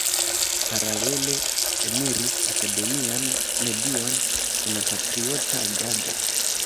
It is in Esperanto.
Paralele eniris akademian medion kun patriota agado.